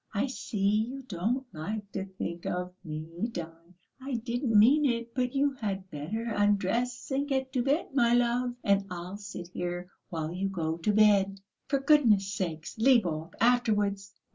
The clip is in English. I see, you don't like to think of me dying; I didn't mean it. But you had better undress and get to bed, my love, and I'll sit here while you go to bed." "For goodness' sake, leave off; afterwards...."